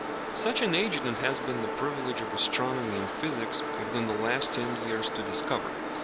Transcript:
Such an agent it has been the privilege of astronomy and physics, within the last ten years, to discover.